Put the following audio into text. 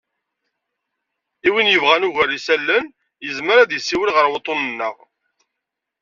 I win yebɣan ugar n yisallen, yezmer ad issiwel ɣer wuṭṭun-nneɣ.